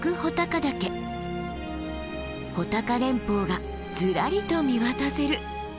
穂高連峰がずらりと見渡せる。